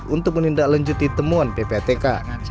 untuk menindaklanjuti temuan ppatk